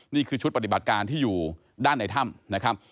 นี่คือชุดปฏิบัติการที่อยู่ด้านในถ้ำนะครับ